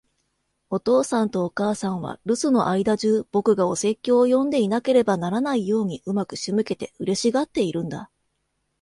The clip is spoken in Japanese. お父さんとお母さんは、留守の間じゅう、僕がお説教を読んでいなければならないように上手く仕向けて、嬉しがっているんだ。